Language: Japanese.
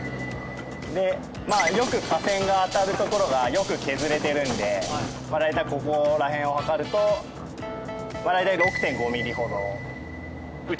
まあよく架線が当たる所がよく削れてるんでここら辺を測ると大体６．５ミリほど。